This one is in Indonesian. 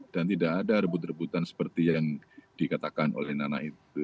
dan tidak ada rebut rebutan seperti yang dikatakan oleh nana itu